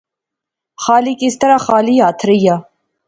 خالق اس طرح خالی ہتھ ریا